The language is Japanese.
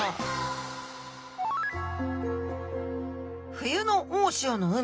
冬の大潮の海。